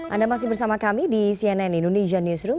anda masih bersama kami di cnn indonesia newsroom